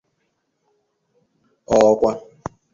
ọọkwa